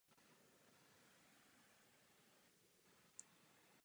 Od té doby jsou vládci Egypta prezidenti a jejich vlády.